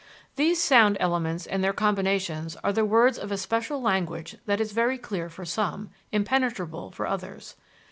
" These sound elements and their combinations are the words of a special language that is very clear for some, impenetrable for others.